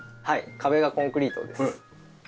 はい壁がコンクリートです。